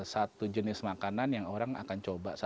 satu jenis makanan yang orang akan coba